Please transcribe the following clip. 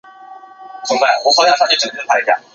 现任系主任为郭明湖。